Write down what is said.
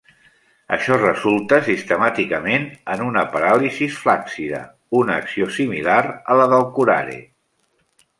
Això resulta, sistemàticament, en una paràlisis flàccida, una acció similar a la del curare.